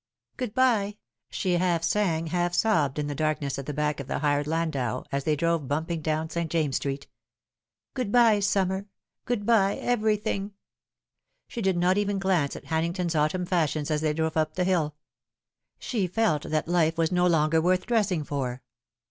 " Good bye !" she half sang, half sobbed, in the darkness at the back of the hired landau, as they drove bumping down St. James's Street. " Good bye, summer ; good bye, everything I" She did not even glance at Hannington's autumn fashions as they drove up the hill. She felt that fife was no longer worth dressing for.